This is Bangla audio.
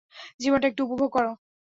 জীবনটা একটু উপভোগ করো।